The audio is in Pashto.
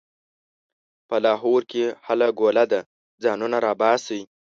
په لاهور کې هله ګوله ده؛ ځانونه راباسئ.